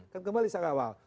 kembali ke awal